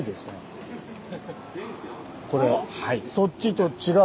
これそっちと違う。